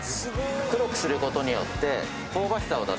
黒くすることによって。